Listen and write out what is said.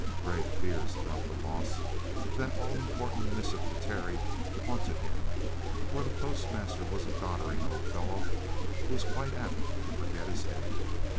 Grave fears about the loss of that all important missive to Terry haunted him, for the postmaster was a doddering old fellow who was quite apt to forget his head.